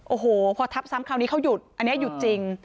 โอ้โหพอทับซ้ำคราวนี้เขาหยุดอันนี้หยุดจริง